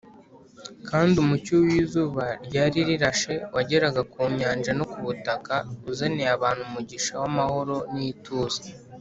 kandi umucyo w’izuba ryari rirashe wageraga ku nyanja no ku butaka uzaniye abantu umugisha w’amahoro n’ituze